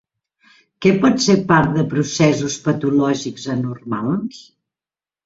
Què pot ser part de processos patològics anormals?